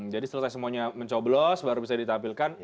jadi setelah semuanya mencoblos baru bisa ditampilkan